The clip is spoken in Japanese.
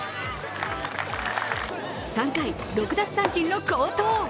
３回６奪三振の好投。